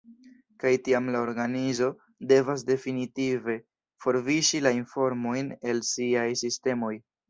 Kaj tiam la organizo devas definitive forviŝi la informojn el siaj sistemoj.